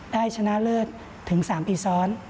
ชนะเลิศถึง๓ปีซ้อน